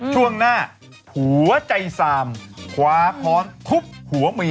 ช่วงหน้าผัวใจสามคว้าค้อนทุบหัวเมีย